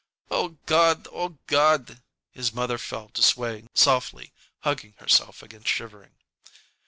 "O God! O God!" His mother fell to swaying softly, hugging herself against shivering.